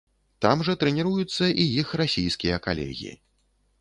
Там жа трэніруюцца і іх расійскія калегі.